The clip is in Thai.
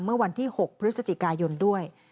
เมื่อวันที่๖พฤศจิกายนด้วย